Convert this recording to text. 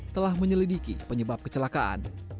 telah menyelidiki penyebab kecelakaan